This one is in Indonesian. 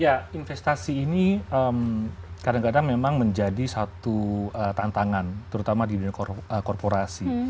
ya investasi ini kadang kadang memang menjadi satu tantangan terutama di dunia korporasi